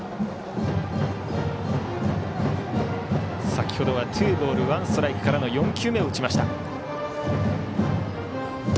先程はツーボールワンストライクから４球目を打ちました。